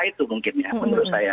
karena itu mungkin ya menurut saya